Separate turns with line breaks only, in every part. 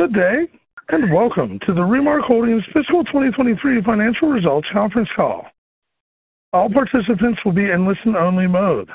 Good day and welcome to the Remark Holdings Fiscal 2023 Financial Results Conference Call. All participants will be in listen-only mode.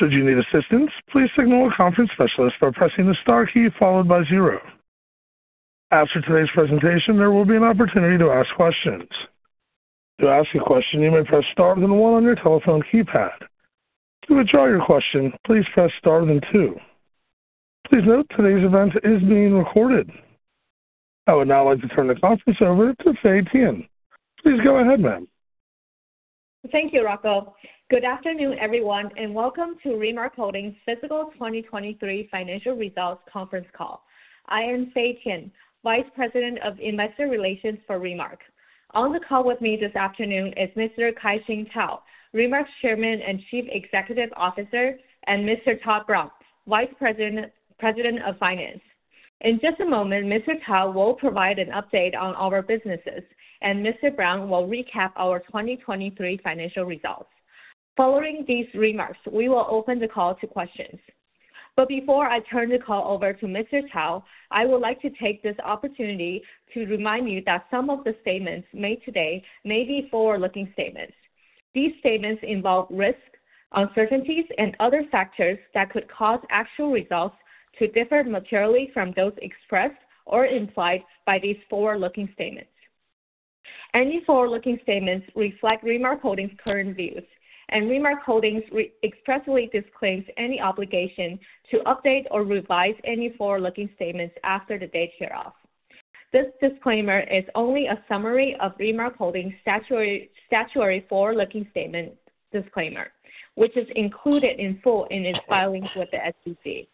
Should you need assistance, please signal a conference specialist by pressing the star key followed by zero. After today's presentation, there will be an opportunity to ask questions. To ask a question, you may press star then one on your telephone keypad. To withdraw your question, please press star then two. Please note today's event is being recorded. I would now like to turn the conference over to Fay Tian. Please go ahead, ma'am.
Thank you, Rocco. Good afternoon, everyone, and welcome to Remark Holdings Fiscal 2023 Financial Results Conference Call. I am Fay Tian, Vice President of Investor Relations for Remark. On the call with me this afternoon is Mr. Kai-Shing Tao, Remark's Chairman and Chief Executive Officer, and Mr. Todd Brown, Vice President of Finance. In just a moment, Mr. Tao will provide an update on our businesses, and Mr. Brown will recap our 2023 financial results. Following these remarks, we will open the call to questions. But before I turn the call over to Mr. Tao, I would like to take this opportunity to remind you that some of the statements made today may be forward-looking statements. These statements involve risk, uncertainties, and other factors that could cause actual results to differ materially from those expressed or implied by these forward-looking statements. Any forward-looking statements reflect Remark Holdings' current views, and Remark Holdings expressly disclaims any obligation to update or revise any forward-looking statements after the date hereof. This disclaimer is only a summary of Remark Holdings' statutory forward-looking statement disclaimer, which is included in full in its filings with the SEC.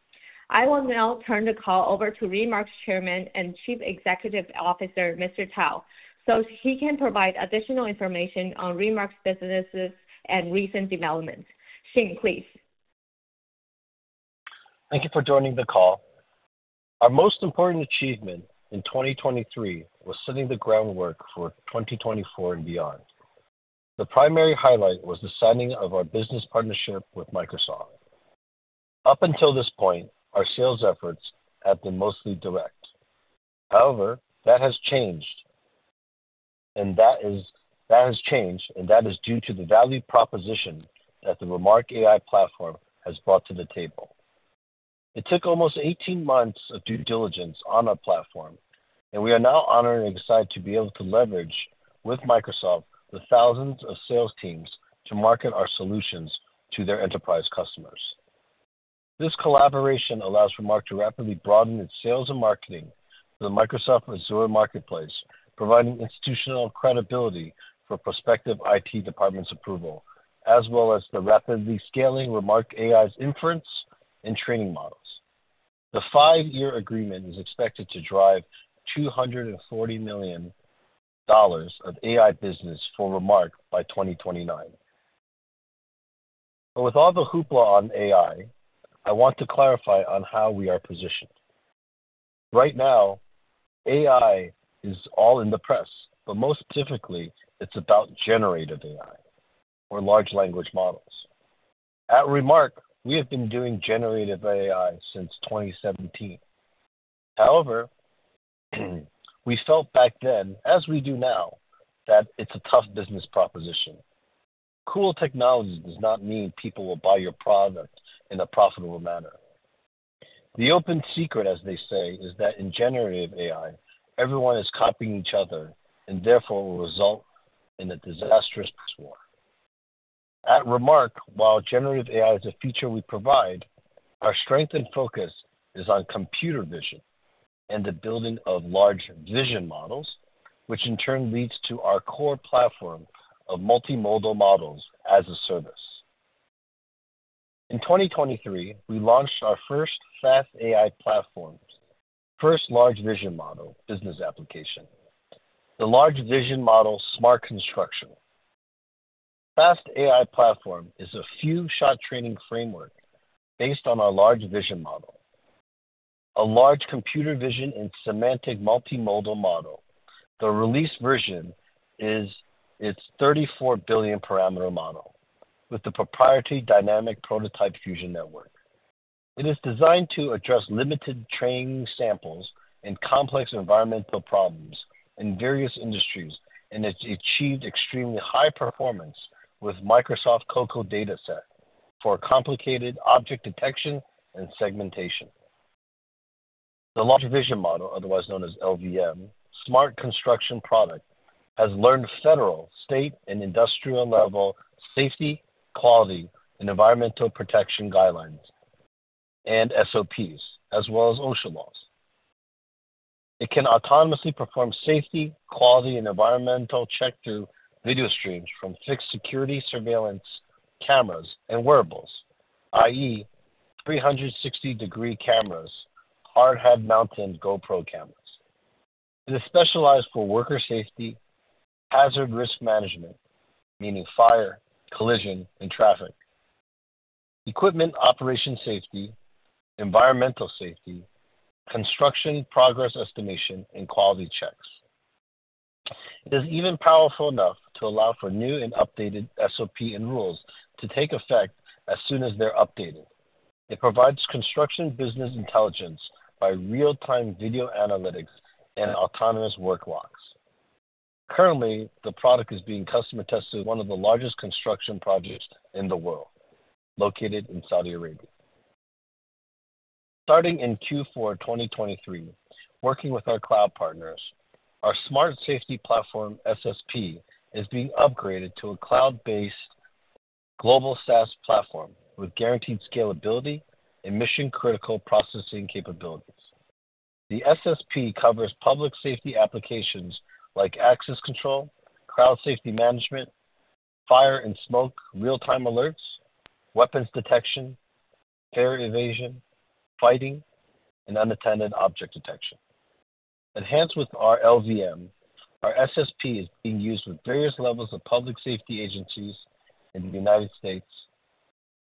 I will now turn the call over to Remark's Chairman and Chief Executive Officer, Mr. Tao, so he can provide additional information on Remark's businesses and recent developments. Shing, please.
Thank you for joining the call. Our most important achievement in 2023 was setting the groundwork for 2024 and beyond. The primary highlight was the signing of our business partnership with Microsoft. Up until this point, our sales efforts have been mostly direct. However, that has changed, and that has changed, and that is due to the value proposition that the Remark AI platform has brought to the table. It took almost 18 months of due diligence on our platform, and we are now honored and excited to be able to leverage, with Microsoft, the thousands of sales teams to market our solutions to their enterprise customers. This collaboration allows Remark to rapidly broaden its sales and marketing to the Microsoft Azure Marketplace, providing institutional credibility for prospective IT departments' approval, as well as the rapidly scaling Remark AI's inference and training models. The five-year agreement is expected to drive $240 million of AI business for Remark by 2029. But with all the hoopla on AI, I want to clarify on how we are positioned. Right now, AI is all in the press, but most specifically, it's about generative AI, or large language models. At Remark, we have been doing generative AI since 2017. However, we felt back then, as we do now, that it's a tough business proposition. Cool technology does not mean people will buy your product in a profitable manner. The open secret, as they say, is that in generative AI, everyone is copying each other, and therefore will result in a disastrous price war. At Remark, while generative AI is a feature we provide, our strength and focus is on computer vision and the building of Large Vision Models, which in turn leads to our core platform of multimodal models as a service. In 2023, we launched our first Fast AI Platform's first Large Vision Model business application, the Large Vision Model Smart Construction. Fast AI Platform is a few-shot training framework based on our Large Vision Model, a large computer vision and semantic multimodal model. The released version is its 34 billion parameter model with the proprietary Dynamic Prototype Fusion Network. It is designed to address limited training samples and complex environmental problems in various industries, and it's achieved extremely high performance with Microsoft COCO dataset for complicated object detection and segmentation. The Large Vision Model, otherwise known as LVM, Smart Construction product, has learned federal, state, and industrial-level safety, quality, and environmental protection guidelines and SOPs, as well as OSHA laws. It can autonomously perform safety, quality, and environmental checks through video streams from fixed security surveillance cameras and wearables, i.e., 360-degree cameras, hard-hat mounted GoPro cameras. It is specialized for worker safety, hazard risk management, meaning fire, collision, and traffic, equipment operation safety, environmental safety, construction progress estimation, and quality checks. It is even powerful enough to allow for new and updated SOP and rules to take effect as soon as they're updated. It provides construction business intelligence by real-time video analytics and autonomous work logs. Currently, the product is being customer-tested at one of the largest construction projects in the world, located in Saudi Arabia. Starting in Q4 2023, working with our cloud partners, our Smart Safety Platform, SSP, is being upgraded to a cloud-based global SaaS platform with guaranteed scalability and mission-critical processing capabilities. The SSP covers public safety applications like access control, crowd safety management, fire and smoke real-time alerts, weapons detection, fare evasion, fighting, and unattended object detection. Enhanced with our LVM, our SSP is being used with various levels of public safety agencies in the United States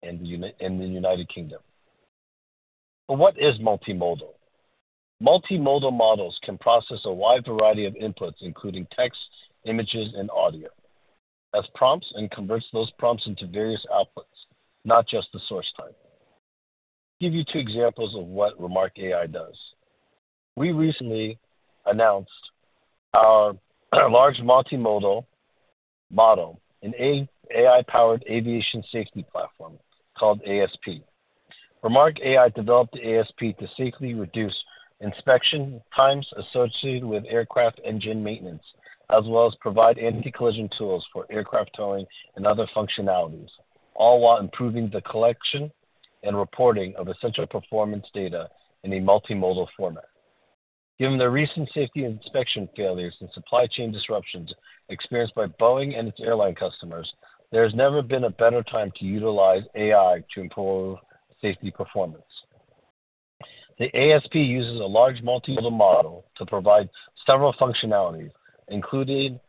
and the United Kingdom. But what is multimodal? Multimodal models can process a wide variety of inputs, including text, images, and audio, as prompts and converts those prompts into various outputs, not just the source type. I'll give you two examples of what Remark AI does. We recently announced our large multimodal model, an AI-powered Aviation Safety Platform called ASP. Remark AI developed the ASP to safely reduce inspection times associated with aircraft engine maintenance, as well as provide anti-collision tools for aircraft towing and other functionalities, all while improving the collection and reporting of essential performance data in a multimodal format. Given the recent safety inspection failures and supply chain disruptions experienced by Boeing and its airline customers, there has never been a better time to utilize AI to improve safety performance. The ASP uses a large multimodal model to provide several functionalities, including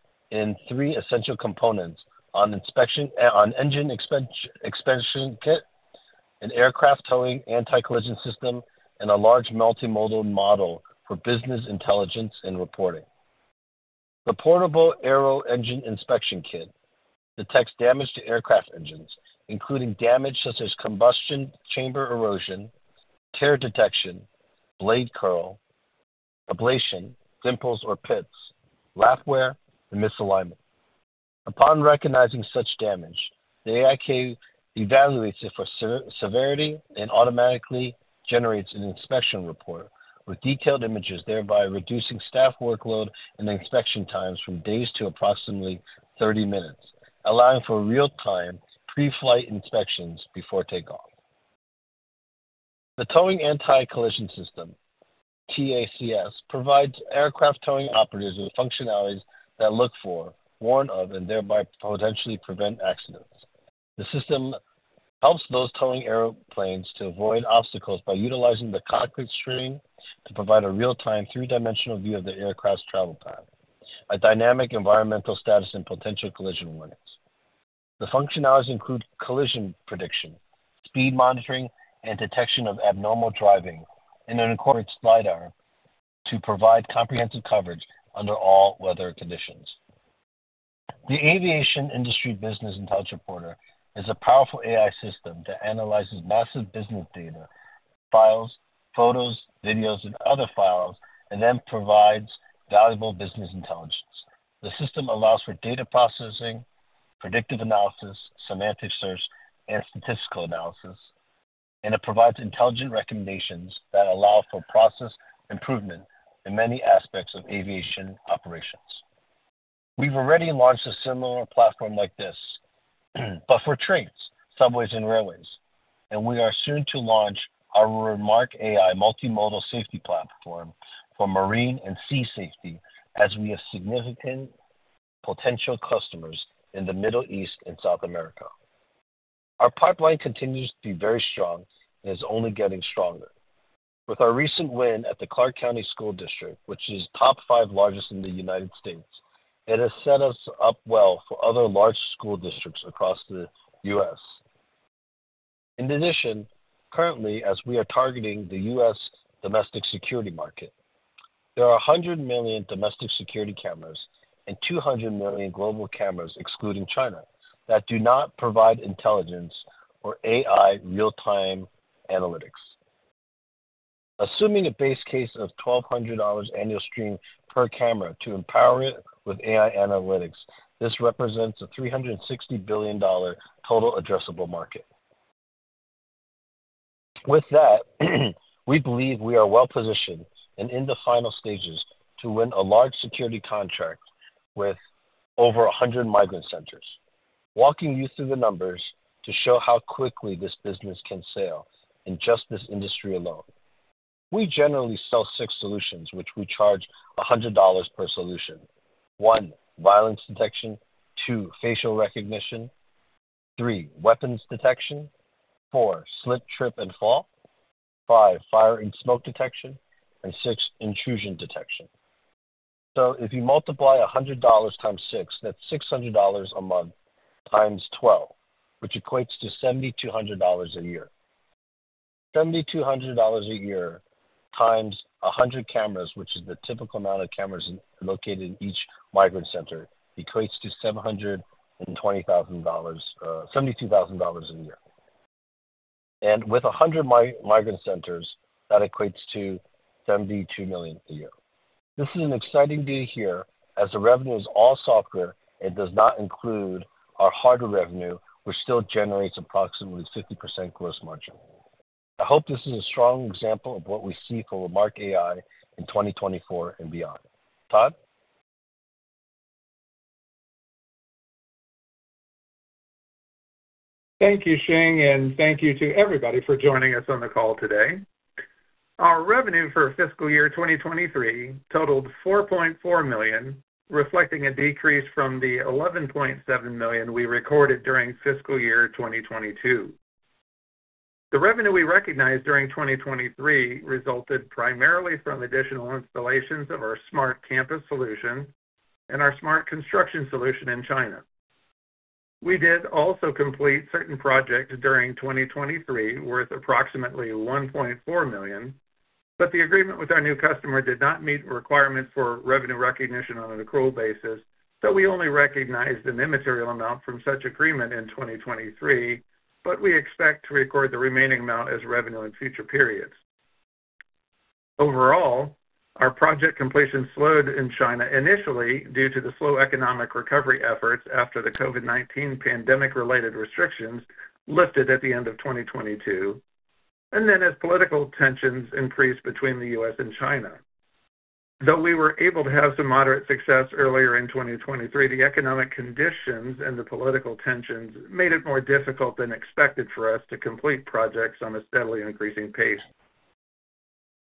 three essential components: one Aero-Engine Inspection Kit, an aircraft Towing Anti-Collision System, and a large multimodal model for business intelligence and reporting. The portable Aero-Engine Inspection Kit detects damage to aircraft engines, including damage such as combustion chamber erosion, tear detection, blade curl, ablation, dimples or pits, gap wear, and misalignment. Upon recognizing such damage, the AIK evaluates it for severity and automatically generates an inspection report with detailed images, thereby reducing staff workload and inspection times from days to approximately 30 minutes, allowing for real-time pre-flight inspections before takeoff. The Towing Anti-Collision System, TACS, provides aircraft towing operators with functionalities that look for, warn of, and thereby potentially prevent accidents. The system helps those towing airplanes to avoid obstacles by utilizing the cockpit screen to provide a real-time three-dimensional view of the aircraft's travel path, a dynamic environmental status and potential collision warnings. The functionalities include collision prediction, speed monitoring, and detection of abnormal driving, and an incorporated LiDAR to provide comprehensive coverage under all weather conditions. The aviation industry business intelligence reporter is a powerful AI system that analyzes massive business data files, photos, videos, and other files, and then provides valuable business intelligence. The system allows for data processing, predictive analysis, semantic search, and statistical analysis, and it provides intelligent recommendations that allow for process improvement in many aspects of aviation operations. We've already launched a similar platform like this, but for trains, subways, and railways, and we are soon to launch our Remark AI multimodal safety platform for marine and sea safety as we have significant potential customers in the Middle East and South America. Our pipeline continues to be very strong and is only getting stronger. With our recent win at the Clark County School District, which is top five largest in the United States, it has set us up well for other large school districts across the U.S. In addition, currently, as we are targeting the U.S. domestic security market, there are 100 million domestic security cameras and 200 million global cameras, excluding China, that do not provide intelligence or AI real-time analytics. Assuming a base case of $1,200 annual stream per camera to empower it with AI analytics, this represents a $360 billion total addressable market. With that, we believe we are well positioned and in the final stages to win a large security contract with over 100 migrant centers, walking you through the numbers to show how quickly this business can scale in just this industry alone. We generally sell six solutions, which we charge $100 per solution: one, violence detection; two, facial recognition; three, weapons detection; four, slip, trip, and fall; five, fire and smoke detection; and six, intrusion detection. So if you multiply $100 times six, that's $600 a month times 12, which equates to $7,200 a year. $7,200 a year times 100 cameras, which is the typical amount of cameras located in each migrant center, equates to $72,000 a year. And with 100 migrant centers, that equates to $72 million a year. This is an exciting data here as the revenue is all software and does not include our hardware revenue, which still generates approximately 50% gross margin. I hope this is a strong example of what we see for Remark AI in 2024 and beyond. Todd?
Thank you, Shing, and thank you to everybody for joining us on the call today. Our revenue for fiscal year 2023 totaled $4.4 million, reflecting a decrease from the $11.7 million we recorded during fiscal year 2022. The revenue we recognized during 2023 resulted primarily from additional installations of our Smart Campus solution and our Smart Construction solution in China. We did also complete certain projects during 2023 worth approximately $1.4 million, but the agreement with our new customer did not meet requirements for revenue recognition on an accrual basis, so we only recognized an immaterial amount from such agreement in 2023, but we expect to record the remaining amount as revenue in future periods. Overall, our project completion slowed in China initially due to the slow economic recovery efforts after the COVID-19 pandemic-related restrictions lifted at the end of 2022 and then as political tensions increased between the U.S. and China. Though we were able to have some moderate success earlier in 2023, the economic conditions and the political tensions made it more difficult than expected for us to complete projects on a steadily increasing pace.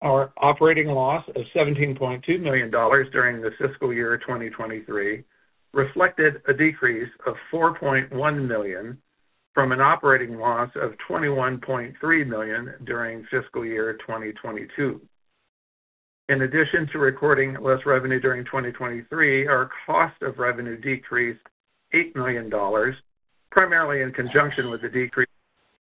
Our operating loss of $17.2 million during the fiscal year 2023 reflected a decrease of $4.1 million from an operating loss of $21.3 million during fiscal year 2022. In addition to recording less revenue during 2023, our cost of revenue decreased $8 million, primarily in conjunction with the decreased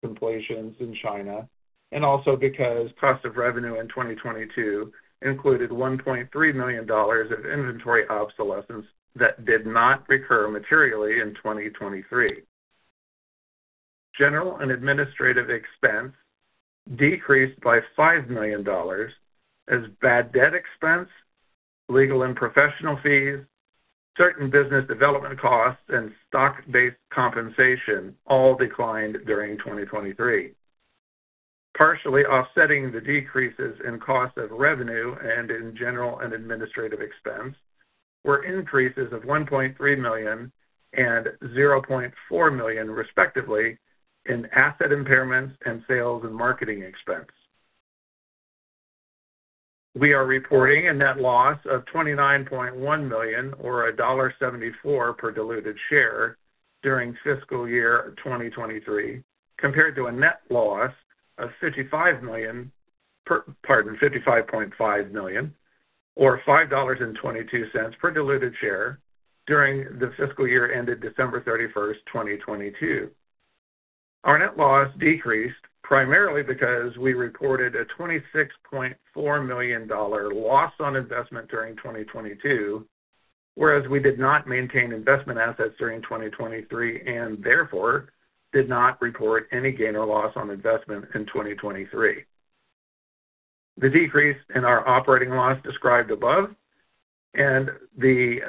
project completions in China and also because cost of revenue in 2022 included $1.3 million of inventory obsolescence that did not recur materially in 2023. General and administrative expense decreased by $5 million as bad debt expense, legal and professional fees, certain business development costs, and stock-based compensation all declined during 2023. Partially offsetting the decreases in cost of revenue and in general and administrative expense were increases of $1.3 million and $0.4 million, respectively, in asset impairments and sales and marketing expense. We are reporting a net loss of $29.1 million or $1.74 per diluted share during fiscal year 2023 compared to a net loss of $55.5 million or $5.22 per diluted share during the fiscal year ended December 31st, 2022. Our net loss decreased primarily because we reported a $26.4 million loss on investment during 2022, whereas we did not maintain investment assets during 2023 and therefore did not report any gain or loss on investment in 2023. The decrease in our operating loss described above and the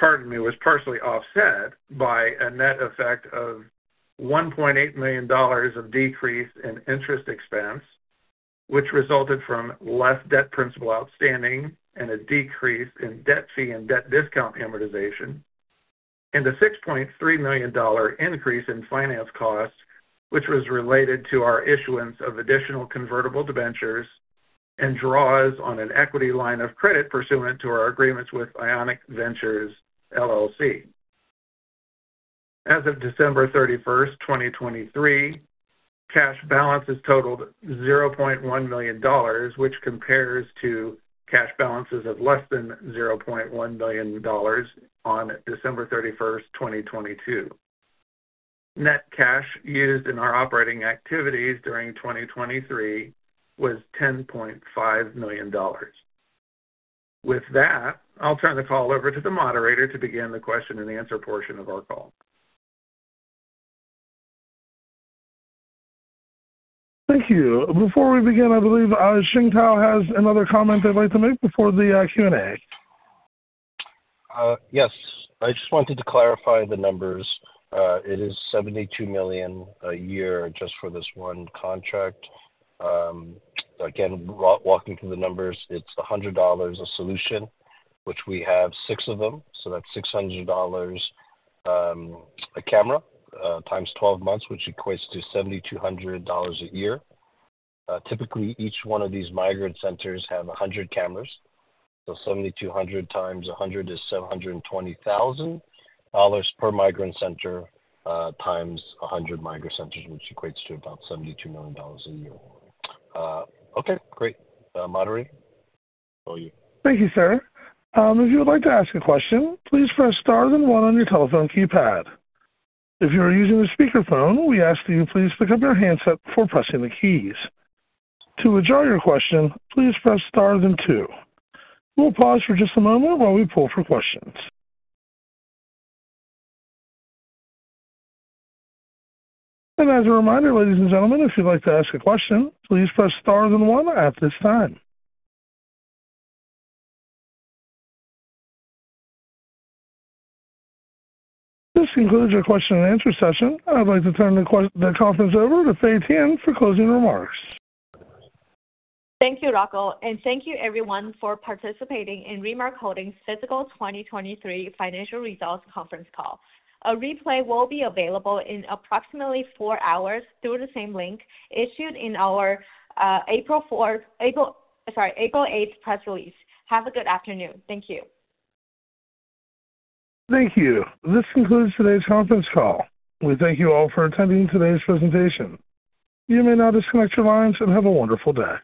pardon me was partially offset by a net effect of $1.8 million of decrease in interest expense, which resulted from less debt principal outstanding and a decrease in debt fee and debt discount amortization, and a $6.3 million increase in finance costs, which was related to our issuance of additional convertible debentures and draws on an equity line of credit pursuant to our agreements with Ionic Ventures, LLC. As of December 31st, 2023, cash balance is totaled $0.1 million, which compares to cash balances of less than $0.1 million on December 31st, 2022. Net cash used in our operating activities during 2023 was $10.5 million. With that, I'll turn the call over to the moderator to begin the question and answer portion of our call.
Thank you. Before we begin, I believe Shing Tao has another comment they'd like to make before the Q&A.
Yes. I just wanted to clarify the numbers. It is $72 million a year just for this one contract. Again, walking through the numbers, it's $100 a solution, which we have 6 of them, so that's $600 a camera times 12 months, which equates to $7,200 a year. Typically, each one of these migrant centers has 100 cameras, so $7,200 times 100 is $720,000 per migrant center times 100 migrant centers, which equates to about $72 million a year. Okay. Great. Moderator, over to you.
Thank you, sir. If you would like to ask a question, please press star, then one on your telephone keypad. If you are using a speakerphone, we ask that you please pick up your handset before pressing the keys. To withdraw your question, please press star, then two. We'll pause for just a moment while we poll for questions. And as a reminder, ladies and gentlemen, if you'd like to ask a question, please press star, then one at this time. This concludes our question and answer session. I'd like to turn the conference over to Fay Tian for closing remarks.
Thank you, Rocco, and thank you, everyone, for participating in Remark Holdings' fiscal 2023 financial results conference call. A replay will be available in approximately four hours through the same link issued in our April 4th sorry, April 8th press release. Have a good afternoon. Thank you.
Thank you. This concludes today's conference call. We thank you all for attending today's presentation. You may now disconnect your lines and have a wonderful day.